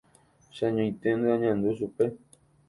Che añoiténte añandu chupe.